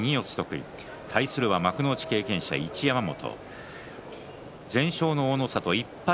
対するは幕内経験者の一山本。